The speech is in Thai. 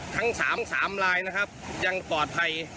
ทั้งสามสามลายนะครับยังปลอดภัย